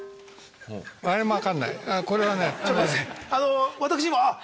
あの私今あっ